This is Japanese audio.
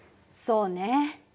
そうね。